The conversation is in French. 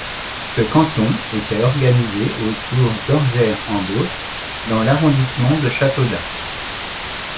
Ce canton était organisé autour d'Orgères-en-Beauce dans l'arrondissement de Châteaudun.